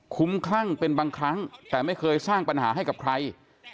คุ้มคลั่งเป็นบางครั้งแต่ไม่เคยสร้างปัญหาให้กับใคร